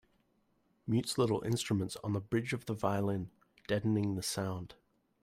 Mutes little instruments on the bridge of the violin, deadening the sound.